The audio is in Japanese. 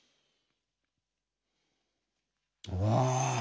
うわ！